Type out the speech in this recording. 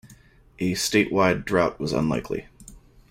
A state-wide drought was unlikely.